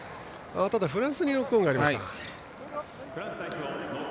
ただ、フランスにノックオンがありました。